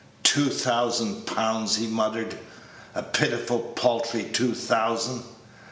"Two thousand pound," he muttered; "a pitiful, paltry two thousand.